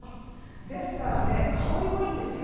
ですからね香りもいいんですよ。